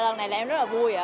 lần này em rất là vui ạ